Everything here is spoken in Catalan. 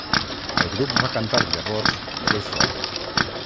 El grup va cantar llavors "Iesha".